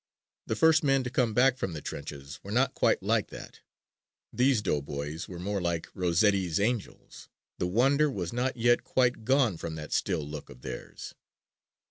The first men who came back from the trenches were not quite like that. These doughboys were more like Rossetti's angels. "The wonder was not yet quite gone from that still look" of theirs.